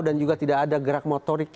dan juga tidak ada gerak motorik